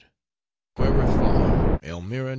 QUARRY FARM, ELMIRA, N.